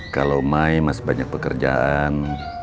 kalau mai masih banyak pekerjaan